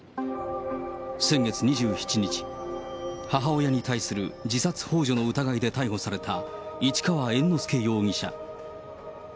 先月２７日、母親に対する自殺ほう助の疑いで逮捕された市川猿之助容疑者。